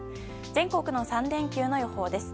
全国の３連休の予報です。